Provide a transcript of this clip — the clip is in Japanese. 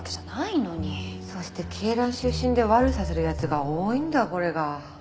そして恵蘭出身で悪さする奴が多いんだこれが。